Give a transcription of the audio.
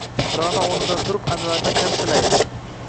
Ra’no o’rnidan turib Anvarni qarshilaydi.